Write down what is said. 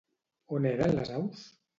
On eren les aus?